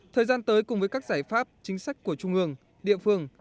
thời gian tới cùng với các giải pháp chính sách của trung ương địa phương